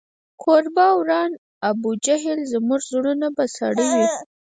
کور به وران د ابوجهل زموږ زړونه په ساړه وي